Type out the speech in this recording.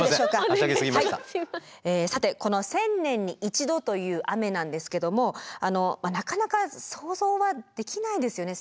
さてこの１０００年に１度という雨なんですけどもなかなか想像はできないですよね？